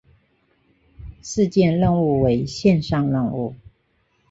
事件任务为线上任务。